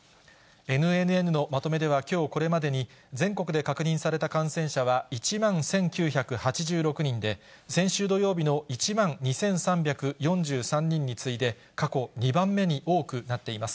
ＮＮＮのまとめではきょうこれまでに全国で確認された感染者は１万１９８６人で、先週土曜日の１万２３４３人に次いで、過去２番目に多くなっています。